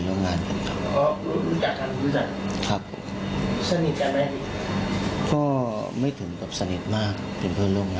ตัวนั้นก็เป็น